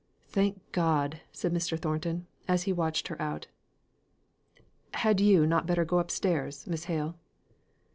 "Thank God!" said Mr. Thornton, as he watched her out. "Had you not better go upstairs, Miss Hale?"